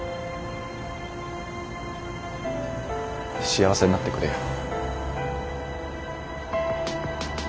幸せになってくれよ。